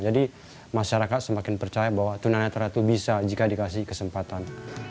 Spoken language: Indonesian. jadi masyarakat semakin percaya bahwa tunanetra itu bisa jika dikasih kesempatan